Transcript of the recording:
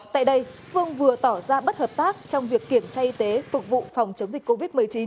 tại đây phương vừa tỏ ra bất hợp tác trong việc kiểm tra y tế phục vụ phòng chống dịch covid một mươi chín